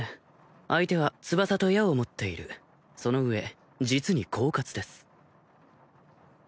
相手は翼と矢を持っているその上実に狡猾です